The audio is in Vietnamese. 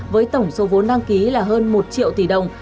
với tổng số vốn đăng ký là hơn một triệu tỷ đồng